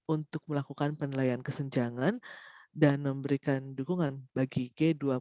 untuk melakukan penilaian kesenjangan dan memberikan dukungan bagi g dua puluh